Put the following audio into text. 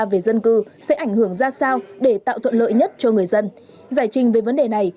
về dân cư sẽ ảnh hưởng ra sao để tạo thuận lợi nhất cho người dân giải trình về vấn đề này